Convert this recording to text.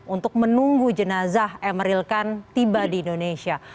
untuk menunggu jenazah emeril khan tiba di indonesia